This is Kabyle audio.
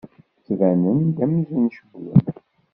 Ttbanen-d amzun cewwlen.